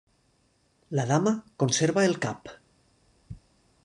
La Dama conserva el cap.